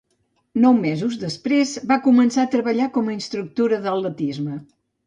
Nou mesos després va començar a treballar com a instructora d"atletisme.